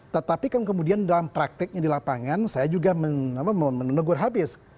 tetapi kan kemudian dalam prakteknya di lapangan saya juga menegur habis